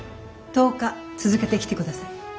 １０日続けて来てください。